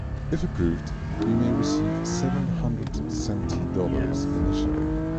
If approved, you may receive seven-hundred seventy dollars initially.